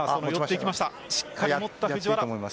しっかり持った藤原。